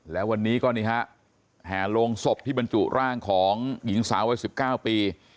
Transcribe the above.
แล้ววันนี้ก็นี่ฮะแห่โรงศพที่บรรจุร่างของหญิงสาววัย๑๙ปี